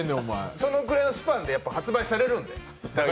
そのぐらいのスパンで発売されるんで。